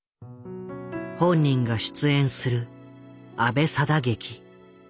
本人が出演する「阿部定劇」。